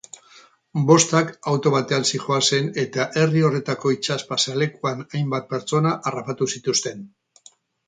Bostak auto batean zihoazen eta herri horretako itsas pasealekuan hainbat pertsona harrapatu zituzten.